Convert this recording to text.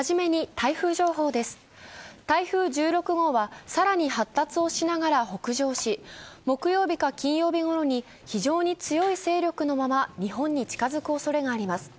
台風１６号は更に発達をしながら北上し木曜日か金曜日ごろに非常に強い勢力のまま日本に近づくおそれがあります。